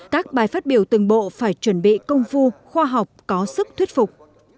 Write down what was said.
các bài phát biểu từng bộ phải chuẩn bị công phu khoa học có sức thuyết phục